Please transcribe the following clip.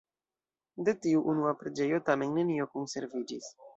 De tiu unua preĝejo tamen nenio konserviĝis.